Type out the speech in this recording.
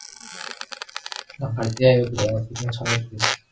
“난 갈 테야유. 그동안 사경 쳐내슈.”